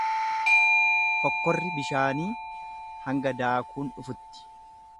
Fokkorri bishaanii hanga daakuun dhufutti.